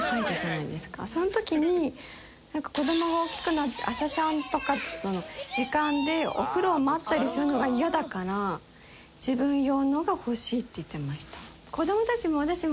その時に子どもが大きくなって朝シャンとかの時間でお風呂を待ったりするのがイヤだから自分用のが欲しいって言ってました。